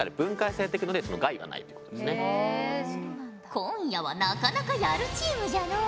ちなみに今夜はなかなかやるチームじゃのう。